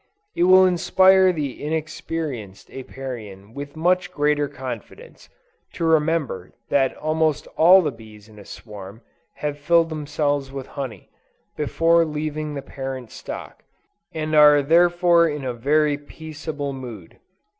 It will inspire the inexperienced Apiarian with much greater confidence, to remember that almost all the bees in a swarm, have filled themselves with honey, before leaving the parent stock, and are therefore in a very peaceable mood.